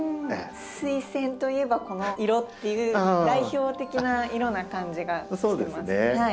スイセンといえばこの色っていう代表的な色な感じがしてます。